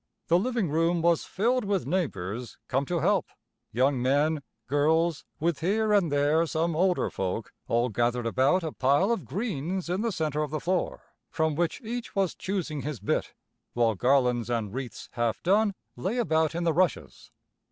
The living room was filled with neighbors come to help young men, girls, with here and there some older folk all gathered about a pile of greens in the center of the floor, from which each was choosing his bit, while garlands and wreaths half done lay about in the rushes.